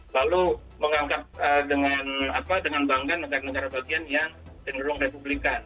lalu mengangkat dengan bangga negara negara bagian yang cenderung republikan